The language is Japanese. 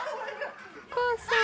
お母さん。